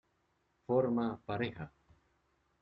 Forma pareja.